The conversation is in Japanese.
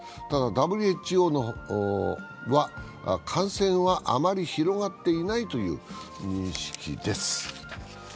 ただＷＴＯは、感染はあまり広がっていないという認識です。